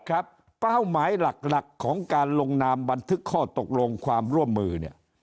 เป้าหมายหลักของการลงนามบันทึกข้อตกลงความร่วมมือเนี่ย